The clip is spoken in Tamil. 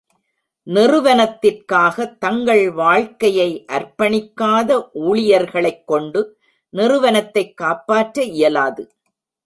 நிறுவனத்திற்காக தங்கள் வாழ்க்கையை அர்ப்பணிக்காத ஊழியர்களைக் கொண்டு நிறுவனத்தைக் காப்பாற்ற இயலாது.